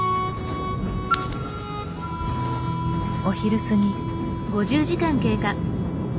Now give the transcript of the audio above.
お昼過ぎ。